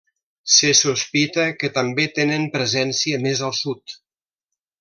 Se sospita que també tenen presència més al sud.